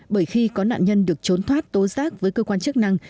bởi khi có nạn nhân được trốn thoát tố giác với cơ quan chức năng